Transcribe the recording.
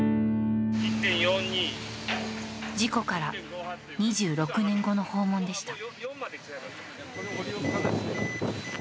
事故から２６年後の訪問でした。